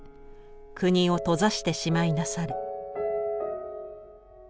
国を閉ざしてしまいなされ」。